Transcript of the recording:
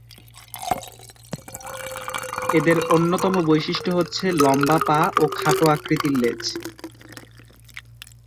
এদের অন্যতম বৈশিষ্ট্য হচ্ছে লম্বা পা ও খাটো আকৃতির লেজ।